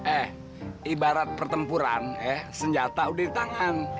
eh ibarat pertempuran eh senjata udah di tangan